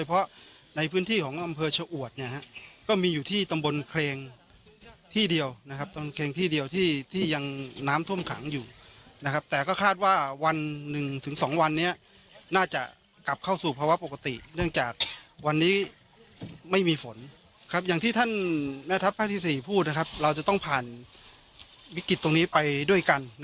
เราจะต้องผ่านวิกฤตตรงนี้ไปด้วยกัน